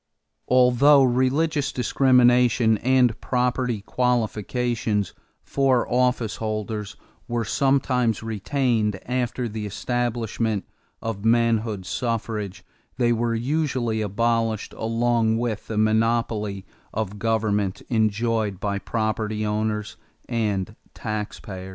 Although religious discriminations and property qualifications for office holders were sometimes retained after the establishment of manhood suffrage, they were usually abolished along with the monopoly of government enjoyed by property owners and taxpayers.